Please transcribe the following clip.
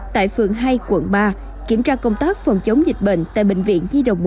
tại phường hai quận ba kiểm tra công tác phòng chống dịch bệnh tại bệnh viện di đồng một